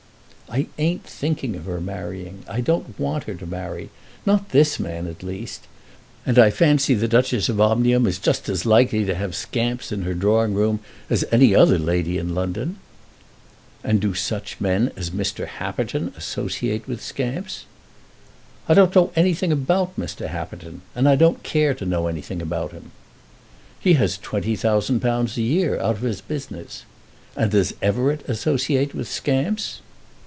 "I ain't thinking of her marrying. I don't want her to marry; not this man at least. And I fancy the Duchess of Omnium is just as likely to have scamps in her drawing room as any other lady in London." "And do such men as Mr. Happerton associate with scamps?" "I don't know anything about Mr. Happerton, and I don't care anything about him." "He has £20,000 a year out of his business. And does Everett associate with scamps?"